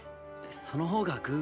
その方がグ。